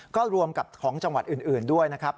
ก็รวมกับของจังหวัดอื่นด้วยนะครับ